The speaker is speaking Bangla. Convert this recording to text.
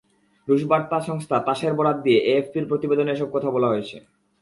রুশ বার্তা সংস্থা তাসের বরাত দিয়ে এএফপির প্রতিবেদনে এসব কথা বলা হয়।